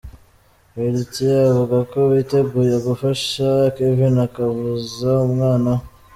Henriette avuga ko biteguye gufasha Kevin akavuza umwana we.